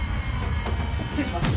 失礼します。